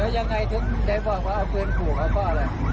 เดี๋ยวยังไงถึงได้บอกว่าเอาเพื่อนปลูกเขาป่าวแล้ว